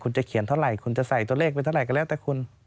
คุณจะเขียนเท่าไหร่คุณจะใส่ตัวเลขไปเท่าไหร่ก็แล้วแต่คุณ